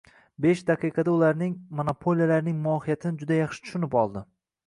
besh daqiqada ularning – monopoliyalarning mohiyatini juda yaxshi tushunib oldi.